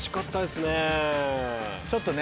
ちょっとね。